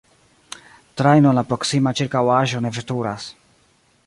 Trajno en la proksima ĉirkaŭaĵo ne veturas.